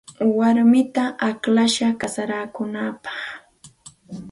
Warmitam akllashaq kasarakunaapaq.